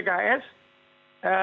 kita harus memikirkan